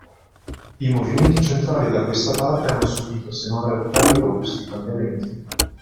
I movimenti centrali da a questa parte, hanno subito, se non radicali, robusti cambiamenti.